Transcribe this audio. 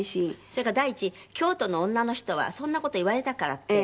それから第一京都の女の人はそんな事言われたからって。